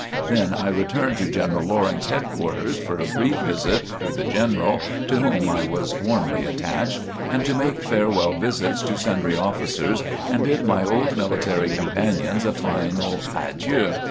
Then I returned to General Loring's headquarters for a brief visit to the General to whom I was warmly attached, and to make farewell visits to sundry officers and bid my old military companions a final adieu.